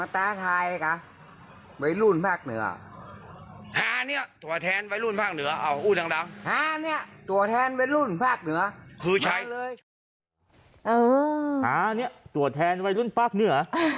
ตรวจแทนไว้รุ่นภาคเหนือ